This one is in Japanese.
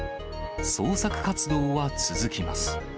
捜索活動は続きます。